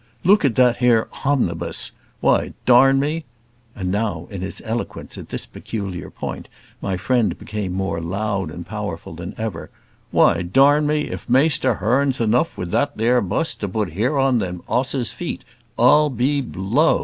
Luke at that there homnibus; why, darn me " and now, in his eloquence at this peculiar point, my friend became more loud and powerful than ever "why, darn me, if maister harns enough with that there bus to put hiron on them 'osses' feet, I'll be blowed!"